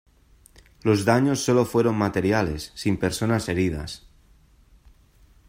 Los daños solo fueron materiales sin personas heridas.